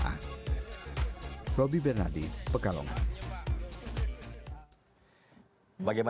bagaimana pendapat anda luar biasa kan